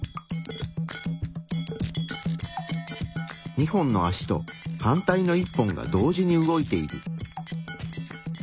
２本の足と反対の１本が同時に動いている。